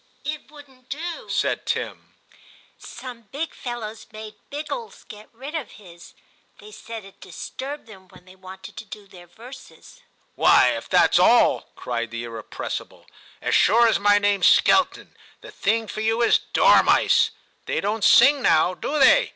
' 'It wouldn't do/ said Tim; 'some big fellows made Biggies get rid of his ; they said it disturbed them when they wanted to do their verses.' * Why, if that's all !' cried the irrepressible, • as sure as my name's Skelton, the thing for you is dormice : they don't sing now, do they?'